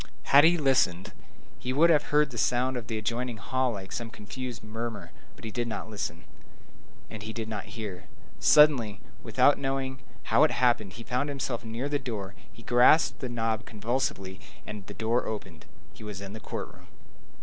Had he listened, he would have heard the sound of the adjoining hall like a sort of confused murmur; but he did not listen, and he did not hear. Suddenly, without himself knowing how it happened, he found himself near the door; he grasped the knob convulsively; the door opened. He was in the court room.